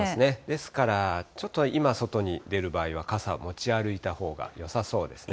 ですから、ちょっと今、外に出る場合は傘を持ち歩いたほうがよさそうですね。